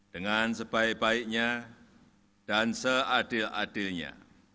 dengan sebaik baiknya dan seadil adilnya